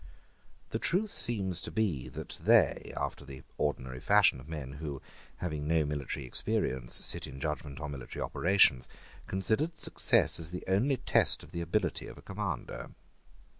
The truth seems to be that they, after the ordinary fashion of men who, having no military experience, sit in judgment on military operations, considered success as the only test of the ability of a commander.